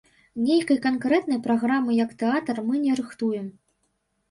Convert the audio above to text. Нейкай канкрэтнай праграмы, як тэатр, мы не рыхтуем.